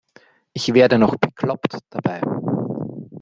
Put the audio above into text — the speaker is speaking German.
Ich werde noch bekloppt dabei.